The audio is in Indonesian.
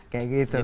kayak gitu dong